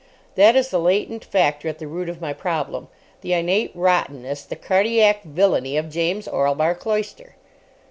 That is the latent factor at the root of my problem. The innate rottenness, the cardiac villainy of James Orlebar Cloyster.